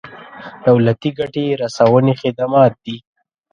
دولتي ګټې رسونې خدمات دي.